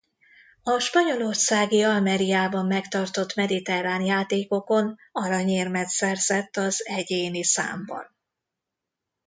A spanyolországi Almeríában megtartott mediterrán játékokon aranyérmet szerzett az egyéni számban.